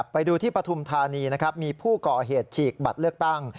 ไปดูที่ปฐุมธานีนะครับมีผู้ก่อเหตุฉีกบัตรเลือกตั้ง